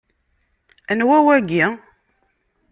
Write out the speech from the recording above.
Anwa wagi?